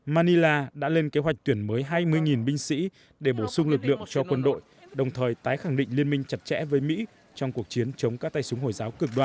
manila đã lên kế hoạch tuyển mới hai mươi binh sĩ để bổ sung lực lượng cho quân đội đồng thời tái khẳng định liên minh chặt chẽ với mỹ trong cuộc chiến chống các tay súng hồi giáo cực đoan